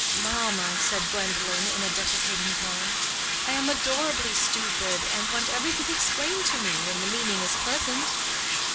"Mamma," said Gwendolen, in a deprecating tone, "I am adorably stupid, and want everything explained to me—when the meaning is pleasant."